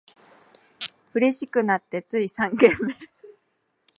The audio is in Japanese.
嬉しくなってつい三軒目